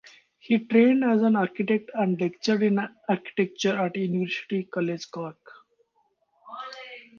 He trained as an architect and lectured in architecture at University College Cork.